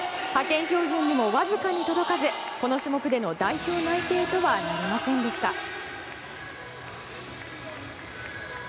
派遣標準にもわずかに届かずこの種目での代表内定とはなりませんでした。